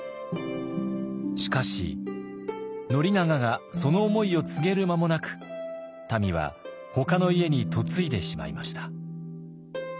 しかし宣長がその思いを告げる間もなくたみはほかの家に嫁いでしまいました。